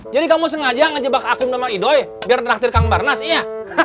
jadi kamu sengaja ngejebak akum sama idoi biar traktir kang barnas iya